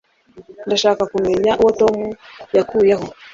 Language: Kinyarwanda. ndashaka kumenya uwo tom yakuyeho